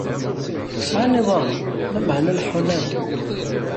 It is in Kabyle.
Sɛan iḍarren, lameɛna ur leḥḥun ara.